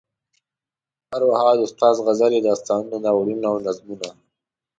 ارواښاد استاد غزلې، داستانونه، ناولونه او نظمونه.